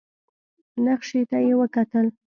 نخشې ته يې وکتل.